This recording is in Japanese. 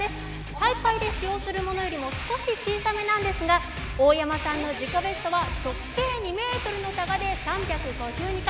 大会で使用するものよりも少し小さめなんですが、大山さんの自己ベストは直径２メートルのタガで３５２回。